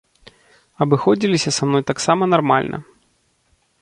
Абыходзіліся са мной таксама нармальна.